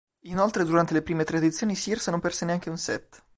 Inoltre durante le prime tre edizioni Sears non perse neanche un set.